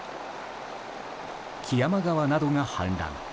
木山川などが氾濫。